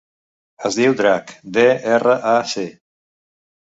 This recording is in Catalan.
Es diu Drac: de, erra, a, ce.